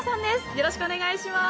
よろしくお願いします